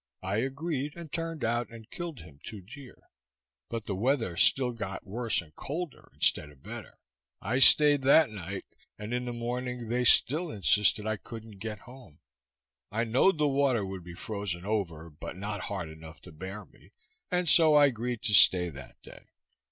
I agreed, and turned out and killed him two deer; but the weather still got worse and colder, instead of better. I staid that night, and in the morning they still insisted I couldn't get home. I knowed the water would be frozen over, but not hard enough to bear me, and so I agreed to stay that day.